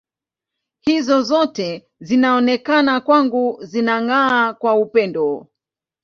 Hizo zote zinaonekana kwangu zinang’aa kwa upendo.